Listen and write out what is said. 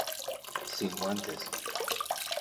Sin guantes.